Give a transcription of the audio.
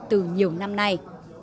từ nhiều năm nay